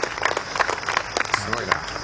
すごいな。